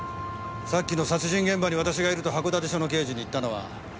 さっきの殺人現場に私がいると函館署の刑事に言ったのは。